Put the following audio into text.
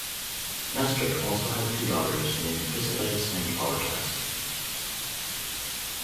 Nestor also had two daughters named Pisidice and Polycaste.